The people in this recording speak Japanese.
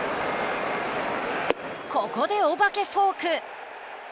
ここで、お化けフォーク。